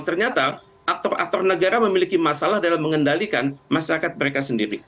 ternyata aktor aktor negara memiliki masalah dalam mengendalikan masyarakat mereka sendiri